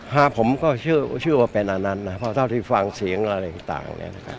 ผมก็เชื่อว่าเป็นอันนั้นนะครับเพราะเท่าที่ฟังเสียงอะไรต่างเนี่ยนะครับ